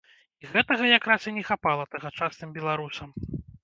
І гэтага, як раз і не хапала тагачасным беларусам.